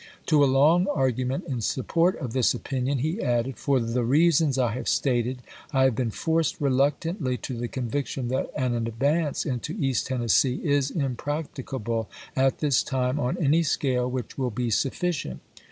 To a long argument in support of this opinion, he added: " For the reasons I have stated I have been forced reluctantly to the conviction that an advance into East Tennessee is impracticable at this time on any scale which will be sufficient."